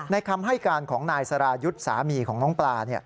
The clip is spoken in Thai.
คำให้การของนายสรายุทธ์สามีของน้องปลา